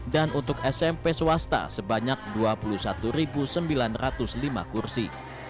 dan untuk smp swasta sebanyak dua puluh satu sembilan ratus lima kursi